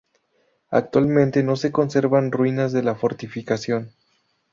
Actualmente no se conservan ruinas de la fortificación.